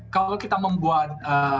kalau kita membuat